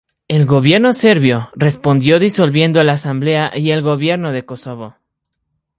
El gobierno serbio respondió disolviendo la Asamblea y el Gobierno de Kosovo.